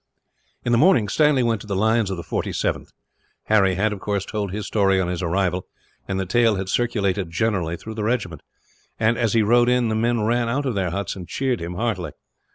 In the morning, Stanley went to the lines of the 47th. Harry had, of course, told his story on his arrival; and the tale had circulated generally through the regiment and, as he rode in, the men ran out from their huts and cheered him heartily.